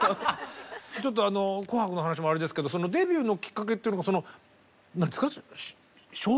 あの「紅白」の話もあれですけどデビューのきっかけっていうのがその何ですか？